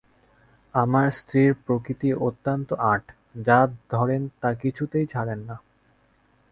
আমার স্ত্রীর প্রকৃতি অত্যন্ত আঁট, যা ধরেন তা কিছুতেই ছাড়েন না।